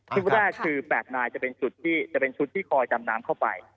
ที่แรกคือ๘นายจะเป็นชุดที่คอยจำน้ำเข้าไป